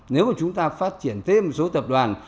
nếu mà chúng ta phát triển thêm một số tập đoàn